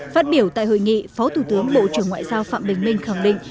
phát biểu tại hội nghị phó thủ tướng bộ trưởng ngoại giao phạm bình minh khẳng định